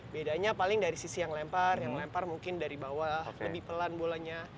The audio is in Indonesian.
bedanya paling dari sisi yang lempar yang lempar mungkin dari bawah lebih pelan bolanya